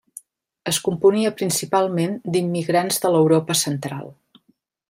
Es componia principalment d'immigrants de l'Europa Central.